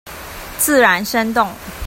自然生動